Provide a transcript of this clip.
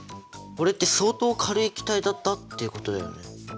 これって相当軽い気体だったっていうことだよね。